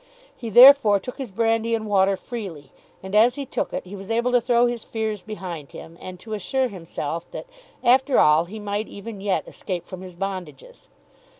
He therefore took his brandy and water freely, and as he took it he was able to throw his fears behind him, and to assure himself that, after all, he might even yet escape from his bondages.